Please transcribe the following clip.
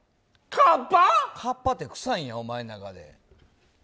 河童って臭いんや、お前ん中で。